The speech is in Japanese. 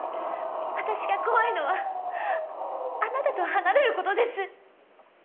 私が怖いのはあなたと離れることです。